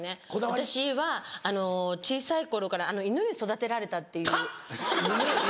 私は小さい頃から犬に育てられたっていう。